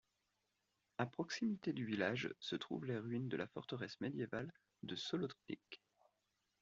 À proximité du village se trouvent les ruines de la forteresse médiévale de Solotnik.